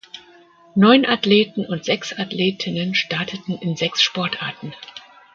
Neun Athleten und sechs Athletinnen starteten in sechs Sportarten.